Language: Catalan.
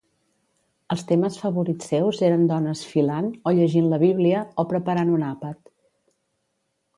Els temes favorits seus eren dones filant, o llegint la Bíblia, o preparant un àpat.